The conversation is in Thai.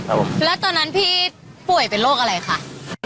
แล้วตอนนั้นพี่ป่วยเป็นโรคอะไรคะ